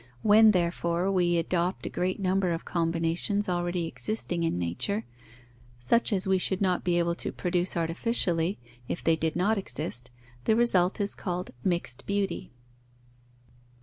When, therefore, we adopt a great number of combinations already existing in nature, such as we should not be able to produce artificially if they did not exist, the result is called mixed beauty.